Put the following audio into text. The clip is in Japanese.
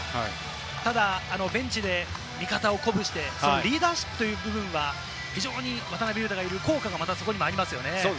ただベンチで味方を鼓舞して、リーダーシップという部分は非常に効果がありますね。